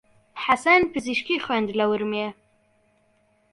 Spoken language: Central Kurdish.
حەسەن پزیشکی خوێند لە ورمێ.